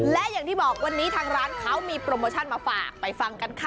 และอย่างที่บอกวันนี้ทางร้านเขามีโปรโมชั่นมาฝากไปฟังกันค่ะ